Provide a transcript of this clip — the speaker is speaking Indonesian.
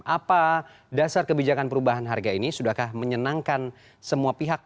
apa dasar kebijakan perubahan harga ini sudahkah menyenangkan semua pihak